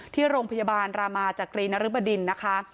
ที่โรงพยาบาลรามาจักรีนริบดินนะคะ